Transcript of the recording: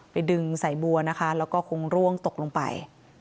ดึงใส่บัวนะคะแล้วก็คงร่วงตกลงไป